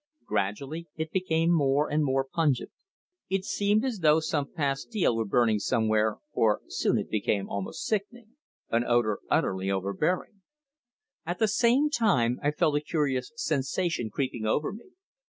Gradually it became more and more pungent. It seemed as though some pastille were burning somewhere, for soon it became almost sickening, an odour utterly overbearing. At the same time I felt a curious sensation creeping over me.